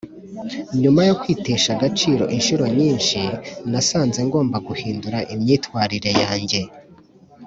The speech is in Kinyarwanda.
Nyuma yo kwitesha agaciro inshuro nyinshi nasanze ngomba guhindura imyitwarire yanjye